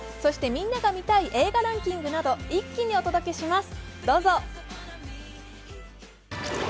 みんなが見たい映画ランキングなど一気にお届けします。